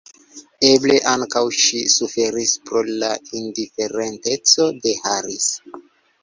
Eble ankaŭ ŝi suferis pro la indiferenteco de Harris.